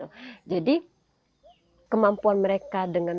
mungkin berhasil memenuhi walaupun keadaannya langsung